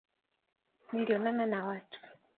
nilionana na watu